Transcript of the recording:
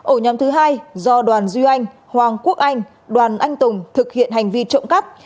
ổ nhóm thứ hai do đoàn duy anh hoàng quốc anh đoàn anh tùng thực hiện hành vi trộm cắp